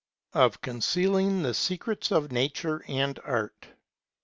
VIII. OF CONCEALING THE SECRETS OF NATURE AND ART.